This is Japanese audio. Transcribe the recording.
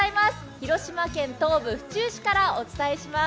広島県東部・府中市からお伝えします。